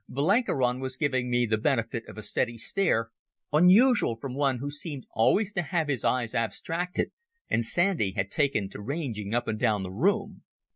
Blenkiron was giving me the benefit of a steady stare, unusual from one who seemed always to have his eyes abstracted, and Sandy had taken to ranging up and down the room.